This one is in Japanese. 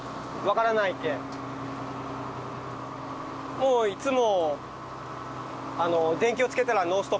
もういつも。